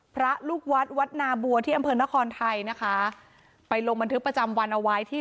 พระลูกวัดวัดนาบัวที่อำเภอนครไทยนะคะไปลงบันทึกประจำวันเอาไว้ที่